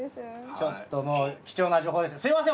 ちょっともう貴重な情報すみません